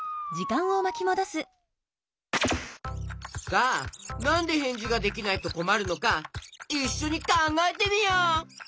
さあなんでへんじができないとこまるのかいっしょにかんがえてみよう！